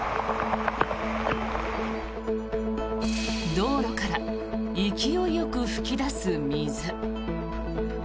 道路から勢いよく噴き出す水。